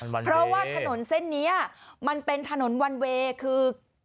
เพราะว่าถนนเส้นนี้มันเป็นถนนวันเวย์คือ